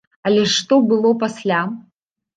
Але што было пасля?